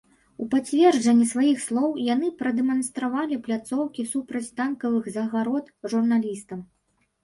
У пацверджанне сваіх слоў яны прадэманстравалі пляцоўкі супрацьтанкавых загарод журналістам.